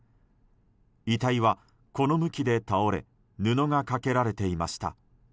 遺体はこの向きで倒れ布がかけられていました。